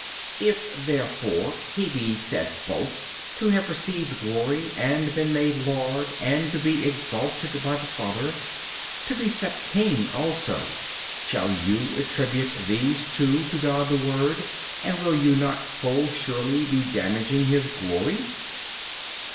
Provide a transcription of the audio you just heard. B. If therefore He be said both, to have received glory and been made Lord and to be exalted by the Father, to be set King also, shall you attribute these too to God the Word and will you not full surely be damaging His glory?